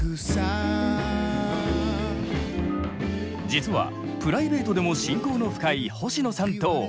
実はプライベートでも親交の深い星野さんと大泉。